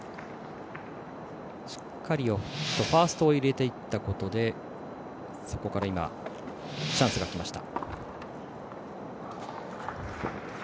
しっかりファーストを入れていったことでそこから今、チャンスがきました。